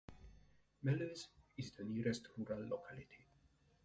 Meleuz is the nearest rural locality.